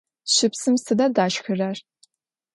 Щыпсым сыда дашхырэр?